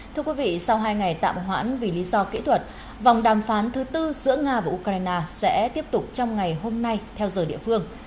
thưa quý vị sau hai ngày tạm hoãn vì lý do kỹ thuật vòng đàm phán thứ tư giữa nga và ukraine sẽ tiếp tục trong ngày hôm nay theo giờ địa phương